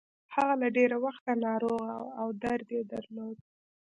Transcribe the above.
هغه له ډېره وخته ناروغه وه او درد يې درلود.